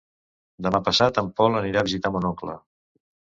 Demà passat en Pol anirà a visitar mon oncle.